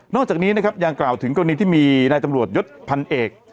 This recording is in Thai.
อกจากนี้นะครับยังกล่าวถึงกรณีที่มีนายตำรวจยศพันเอก